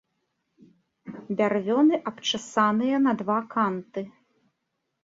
Бярвёны абчасаныя на два канты.